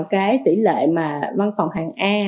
cái tỷ lệ mà văn phòng hàng a